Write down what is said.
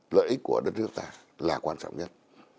lợi ích của đất nước ta là quan trọng nhất